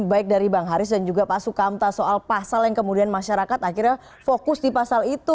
baik dari bang haris dan juga pak sukamta soal pasal yang kemudian masyarakat akhirnya fokus di pasal itu